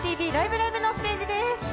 ライブ！」のステージです。